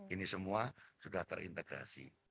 ini semua sudah terintegrasi